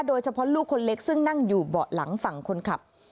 ลูกคนเล็กซึ่งนั่งอยู่เบาะหลังฝั่งคนขับ